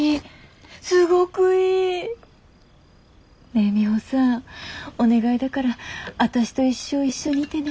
ねぇミホさんお願いだから私と一生一緒にいてね。